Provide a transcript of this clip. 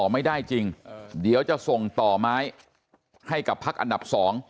ไม่ได้จริงเดี๋ยวจะส่งต่อไม้ให้กับพักอันดับ๒